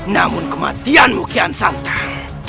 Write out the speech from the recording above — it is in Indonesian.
namun kematianmu kian santan